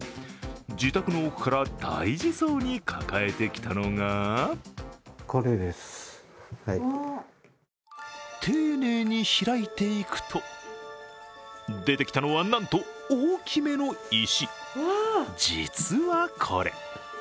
自宅の奥から大事そうに抱えてきたのが丁寧に開いていくと出てきたのは、なんと大きめの石。